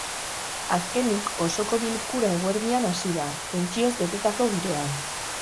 Azkenik, osoko bilkura eguerdian hasi da, tentsioz betetako giroan.